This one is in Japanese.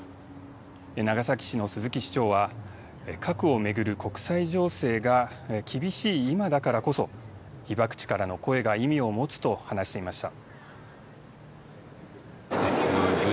長崎市の鈴木市長は、核を巡る国際情勢が厳しい今だからこそ、被爆地からの声が意味を持つと話していました。